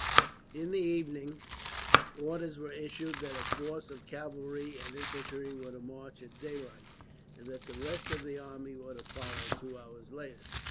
In the evening, orders were issued that a force of cavalry and infantry were to march at daylight, and that the rest of the army were to follow, two hours later.